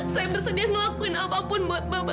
saya bersedia ngelakuin apapun buat bapak